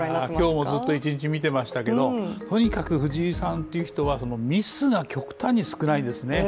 今日もずっと１日見ていましたけれどとにかく藤井さんっていう人はミスが極端に少ないですね。